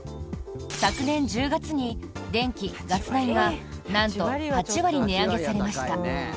昨年１０月に電気・ガス代がなんと８割値上げされました。